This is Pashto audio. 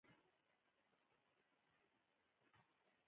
ـ چې نه دې وي، د موره هغه ته مه وايه وروره.